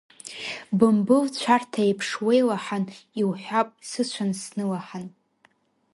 Бымбыл цәарҭа еиԥш уеилаҳан, иуҳәап, сыцәан снылаҳан.